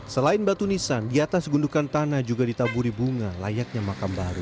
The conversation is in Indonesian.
selain batu nisan di atas gundukan tanah juga ditaburi bunga layaknya makam baru